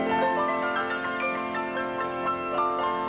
สวัสดีครับ